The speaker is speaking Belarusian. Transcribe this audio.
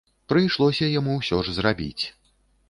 Прыйшлося яму ўсё ж зрабіць.